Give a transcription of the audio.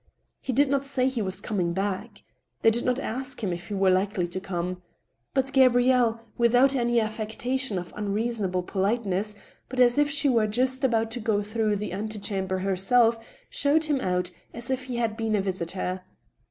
He did not say he was coming back. They did not ask him if he were likely to come. But Gabrielle, without any affectation of unreasonable politeness, but as if she were just about to go through the antechamber herself, showed him out, as if he had been a visitor.